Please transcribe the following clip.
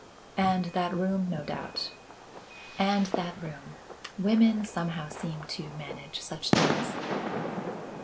"And that room no doubt." "And that room. Women, somehow, seem to manage such things."